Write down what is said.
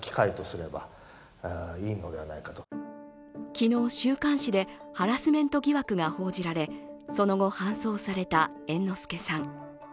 昨日、週刊誌でハラスメント疑惑が報じられその後、搬送された猿之助さん。